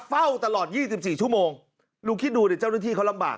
เฝ้าตลอด๒๔ชั่วโมงลุงคิดดูดิเจ้าหน้าที่เขาลำบาก